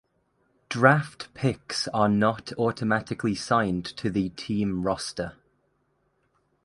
Draft picks are not automatically signed to the team roster.